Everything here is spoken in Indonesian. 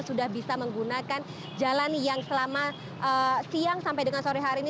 sudah bisa menggunakan jalan yang selama siang sampai dengan sore hari ini